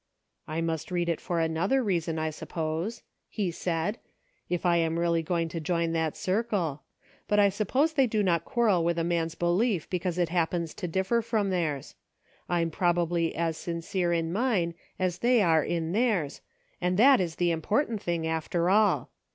" I must read it for another reason, I suppose," he said, "if I am really going to join that circle ; but I suppose they do not quarrel with a man's belief because it happens to differ from theirs. I'm probably as sincere in mine as they are in theirs, and that is the important thing, after all.